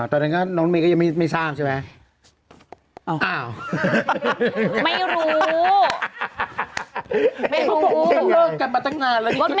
ตอนนั้นก็น้องเมย์ก็ยังไม่ทราบใช่ไหม